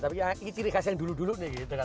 tapi ya ini ciri khas yang dulu dulu nih gitu katanya